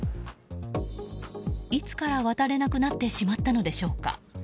いつから渡れなくなってしまったのでしょうか。